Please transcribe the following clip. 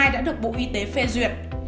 đã được bộ y tế phê duyệt